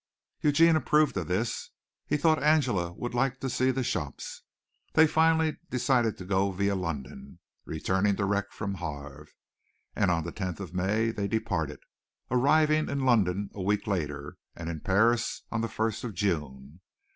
Eugene approved of this. He thought Angela would like to see the shops. They finally decided to go via London, returning direct from Havre, and on the tenth of May they departed, arriving in London a week later and in Paris on the first of June.